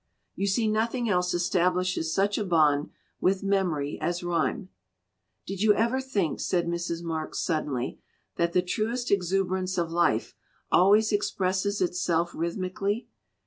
"You see, nothing else establishes such a bond with memory as rhyme. "Did you ever think," said Mrs. Marks, sud denly, "that the truest exuberance of life always 283 LITERATURE IN THE MAKING expresses itself rhythmically?